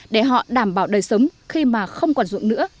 để họ đảm bảo đời sống khi mà không còn ruộng nữa